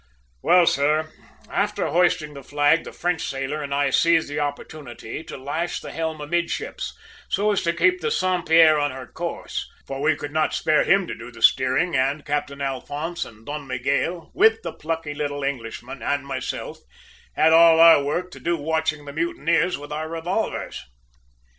"Well, sir, after hoisting the flag the French sailor and I seized the opportunity to lash the helm amidships so as to keep the Saint Pierre on her course, for we could not spare him to do the steering, and Captain Alphonse and Don Miguel, with the plucky little Englishman and myself, had all our work to do watching the mutineers with our revolvers!